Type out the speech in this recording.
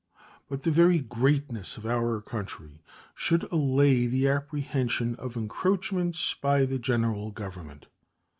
But the very greatness of our country should allay the apprehension of encroachments by the General Government.